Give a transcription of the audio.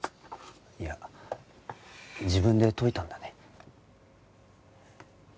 いや自分で解いたんだね。